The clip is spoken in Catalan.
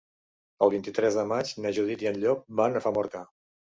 El vint-i-tres de maig na Judit i en Llop van a Famorca.